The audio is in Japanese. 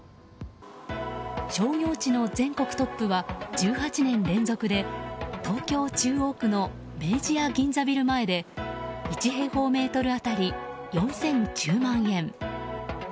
商業地の全国トップは１８年連続で東京・中央区の明治屋銀座ビル前で１平方メートル当たり４０１０万円。